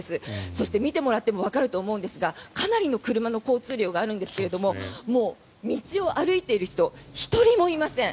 そしてみてもらってもわかると思うんですがかなりの車の交通量があるんですがもう道を歩いている人１人もいません。